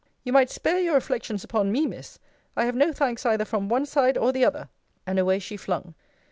You might spare your reflections upon me, Miss. I have no thanks either from one side or the other. And away she flung.